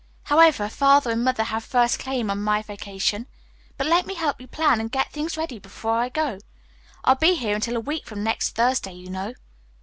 However, Father and Mother have first claim on my vacation. But let me help you plan and get things ready before I go. I'll be here until a week from next Thursday, you know."